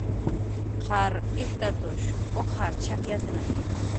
Qar ijtatush ujar chakyatna